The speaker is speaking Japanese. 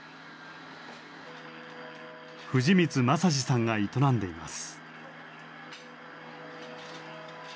藤満正治さんが営んでいます。